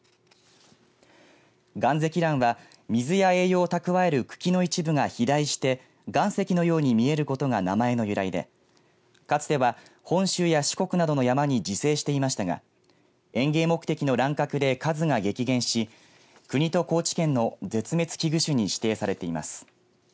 ガンゼキランは水や栄養を蓄える茎の一部が肥大して岩石のように見えることが名前の由来でかつては本州や四国などの山に自生していましたが園芸目的の乱獲で数が激減し国と高知県の絶滅危惧種に指定されています。